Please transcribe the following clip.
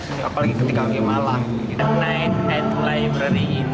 kaya ketika malam kita main at the library ini memang rangkaian kegiatan yang sudah kita laksanakan